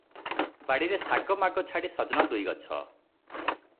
ବାଡ଼ିରେ ଶାଗ ମାଗ ଛାଡ଼ି ସଜନା ଦୁଇ ଗଛ ।